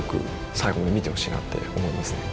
最後まで見てほしいなって思いますね。